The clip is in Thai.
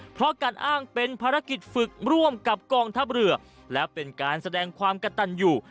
เพราะการอ้างเป็นภารกิจฝึกร่วมกับกองทัพเรือและเป็นการแสดงความกระตันอยู่